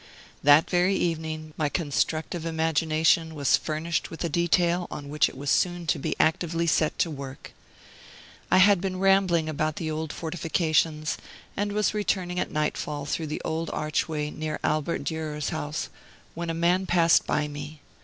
That very evening my constructive imagination was furnished with a detail on which it was soon to be actively set to work. I had been rambling about the old fortifications, and was returning at nightfall through the old archway near Albert Durer's house, when a man passed by me.